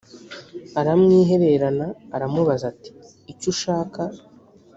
aramwihererana aramubaza ati icyo ushaka